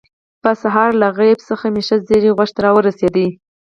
په سهار له غیب څخه مې ښه زیری غوږ ته راورسېد.